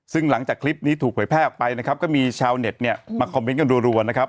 ซึ่งหลังจากคลิปนี้ถูกเผยแพร่ออกไปนะครับก็มีชาวเน็ตเนี่ยมาคอมเมนต์กันรัวนะครับ